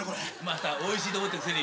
またおいしいと思ってるくせに。